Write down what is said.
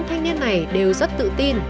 thanh niên này đều rất tự tin